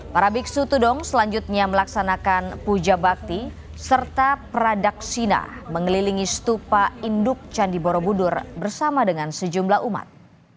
para biksu tudong selanjutnya melaksanakan puja bakti serta pradaksina mengelilingi stupa induk candi borobudur bersama dengan sejumlah umat